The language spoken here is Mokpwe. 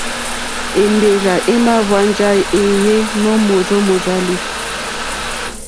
Èmbèrzà èmà hwánjá wéèyé nǒ mòrzó mòrzàlì.